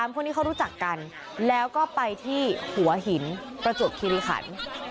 คนนี้เขารู้จักกันแล้วก็ไปที่หัวหินประจวบคิริขัน